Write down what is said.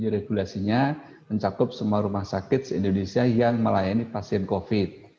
regulasinya mencakup semua rumah sakit di indonesia yang melayani pasien covid sembilan belas